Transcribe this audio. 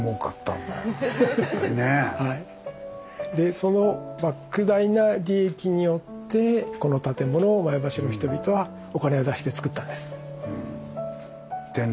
そのばく大な利益によってこの建物を前橋の人々はお金を出してつくったんです。